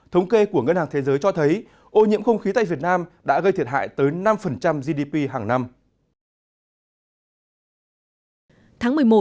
thống kê của ngân hàng thế giới cho thấy ô nhiễm không khí tại việt nam đã gây thiệt hại tới năm gdp hàng năm